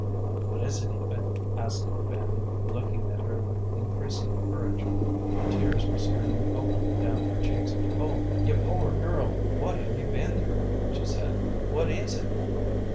"What is it, Eva?" asked Fanny, looking at her with increasing courage. The tears were streaming openly down her cheeks. "Oh, you poor girl, what have you been through?" she said. "What is it?"